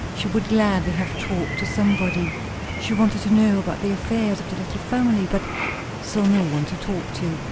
She would gladly have talked to somebody; she wanted to know about the affairs of the little family, but saw no one to talk to.